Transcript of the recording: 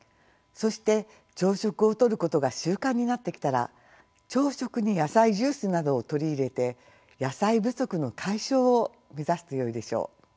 そして朝食をとることが習慣になってきたら朝食に野菜ジュースなどを取り入れて野菜不足の解消を目指すとよいでしょう。